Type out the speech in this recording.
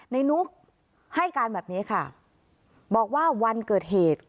นุกให้การแบบนี้ค่ะบอกว่าวันเกิดเหตุ